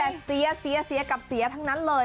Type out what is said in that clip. นี่แต่เสียกับเสียทั้งนั้นเลย